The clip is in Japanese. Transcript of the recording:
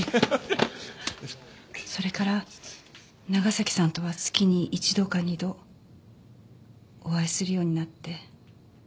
それから長崎さんとは月に一度か二度お会いするようになって。